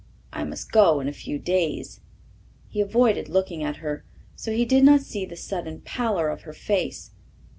I must go in a few days." He avoided looking at her, so he did not see the sudden pallor of her face.